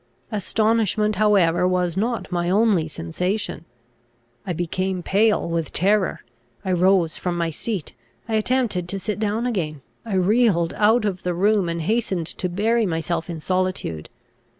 Astonishment however was not my only sensation. I became pale with terror; I rose from my seat; I attempted to sit down again; I reeled out of the room, and hastened to bury myself in solitude.